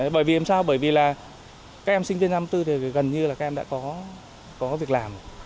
bởi vì sao bởi vì là các em sinh viên năm tư thì gần như là các em đã có việc làm